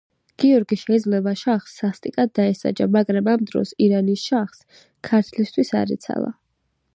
გიორგი შეიძლებოდა შაჰს სასტიკად დაესაჯა, მაგრამ ამ დროს ირანის შაჰს ქართლისთვის არ ეცალა.